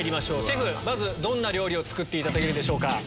シェフまずどんな料理を作っていただけるでしょうか。